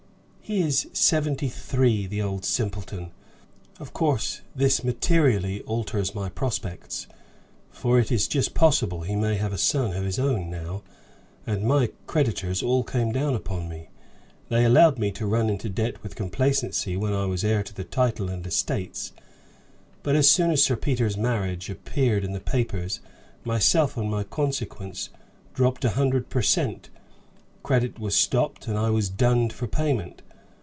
"He is seventy three the old simpleton! Of course this materially alters my prospects, for it is just possible he may have a son of his own now; and my creditors all came down upon me. They allowed me to run into debt with complacency when I was heir to the title and estates, but as soon as Sir Peter's marriage appeared in the papers, myself and my consequence dropped a hundred per cent; credit was stopped, and I dunned for payment.